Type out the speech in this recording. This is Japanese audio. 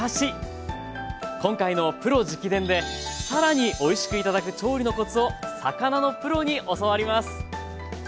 今回の「プロ直伝！」で更においしく頂く調理のコツを魚のプロに教わります！